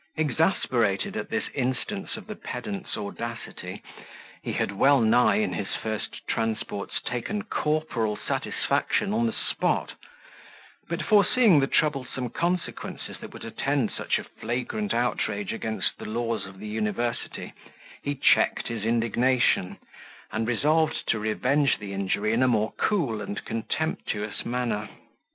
Exasperated at this instance of the pedant's audacity, he had well nigh, in his first transports, taken corporal satisfaction on the spot; but, foreseeing the troublesome consequences that would attend such a flagrant outrage against the laws of the university, he checked his indignation, and resolved to revenge the injury in a more cool and contemptuous manner.